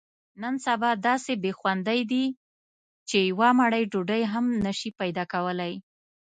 نن سبا داسې بې خوندۍ دي، چې یوه مړۍ ډوډۍ هم نشې پیداکولی.